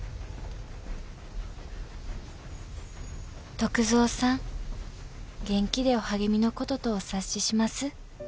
「篤蔵さん元気でお励みのこととお察しします」